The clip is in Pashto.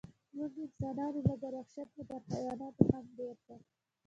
موږ انسانان یو، مګر وحشت مو تر حیواناتو هم ډېر ده.